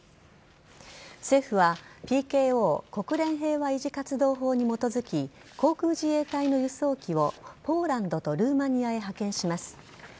政府はＰＫＯ＝国連平和維持活動法に基づき航空自衛隊の輸送機をポーランドとルーマニアへ派遣します。